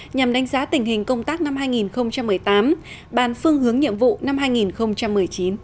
nhằm đánh giá tình hình công tác năm hai nghìn một mươi tám bàn phương hướng nhiệm vụ năm hai nghìn một mươi chín